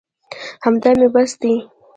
همدا مې بس دي.